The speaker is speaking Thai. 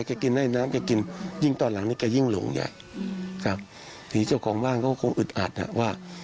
เขากินให้น้ำเขากินยิ่งตอนหลังนี้เขายิ่งหลงอย่างนี้ครับนี่เจ้าของบ้านก็คงอึดอัดอะว่า